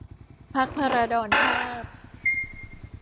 พรรคภราดรภาพ